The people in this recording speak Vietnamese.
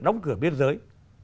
đóng cửa biên giới